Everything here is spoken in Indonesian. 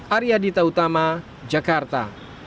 arya dita utama jakarta